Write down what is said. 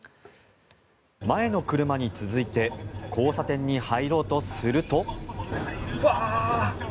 前の車に続いて交差点に入ろうとすると。